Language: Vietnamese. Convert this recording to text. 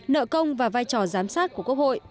nợ công và vai trò giám sát của quốc hội